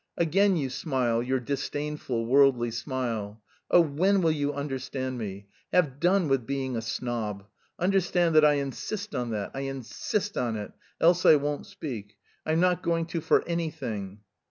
... Again you smile your disdainful, worldly smile! Oh, when will you understand me! Have done with being a snob! Understand that I insist on that. I insist on it, else I won't speak, I'm not going to for anything!"